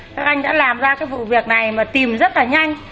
các anh đã làm ra cái vụ việc này mà tìm rất là nhanh